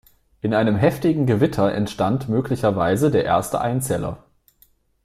In einem heftigen Gewitter entstand möglicherweise der erste Einzeller.